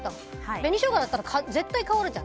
紅ショウガだったら絶対変わるじゃん。